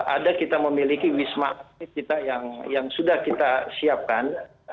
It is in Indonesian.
ada kita memiliki wisma atlet kita yang sudah kita siapkan